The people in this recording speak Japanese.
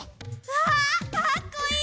わかっこいい！